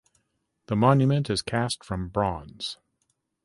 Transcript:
The monument is cast from bronze.